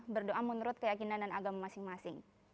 berdoa menurut keyakinan dan agama masing masing